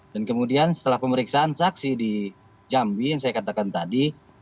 dan kemudian setelah pemeriksaan saksi di jambi yang saya katakan tadi